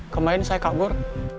kemarin saya kabur